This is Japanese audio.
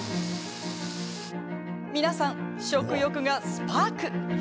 皆さん、食欲がスパーク。